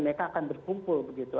mereka akan berkumpul begitu